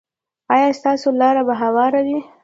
ایا ستاسو لاره به هواره وي؟